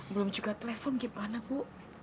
belum juga telepon gimana bu